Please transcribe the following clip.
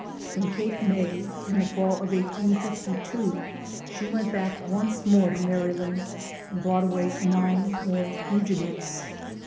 From Cape May, in the fall of 1852, she went back once more to Maryland, and brought away nine more fugitives.